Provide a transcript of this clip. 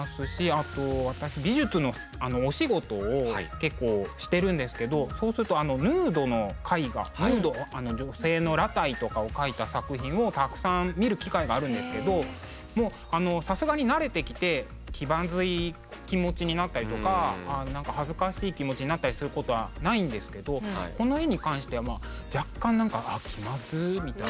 あと私美術のお仕事を結構してるんですけどそうするとあのヌードの絵画ヌード女性の裸体とかを描いた作品をたくさん見る機会があるんですけどもうあのさすがに慣れてきて気まずい気持ちになったりとか恥ずかしい気持ちになったりすることはないんですけどこの絵に関しては若干なんかあっ気まずみたいな。